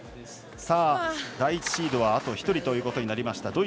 第１シードはあと１人ということになりました。